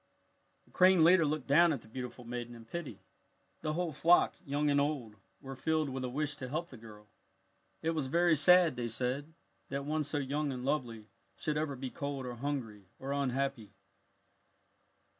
The crane leader looked down at the beautiful maiden in pity. The whole flock, young and old, were filled with a wish to help the girl. It was very sad, they said, that one so young and lovely should ever be cold or hungry or unhappy.